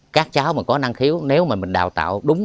các cháu mà có năng khiếu nếu mà mình đào tạo đúng